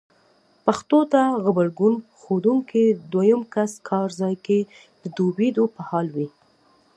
پېښو ته غبرګون ښودونکی دویم کس کار ځای کې د ډوبېدو په حال وي.